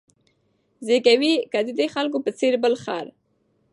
زېږوې که د دې خلکو په څېر بل خر